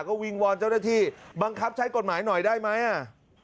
ก็วิงวอนเจ้าหน้าที่บังคับใช้กฎหมายหน่อยได้ไหมอ่ะ